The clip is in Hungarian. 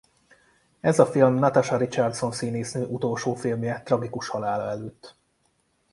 Ez a film Natasha Richardson színésznő utolsó filmje tragikus halála előtt.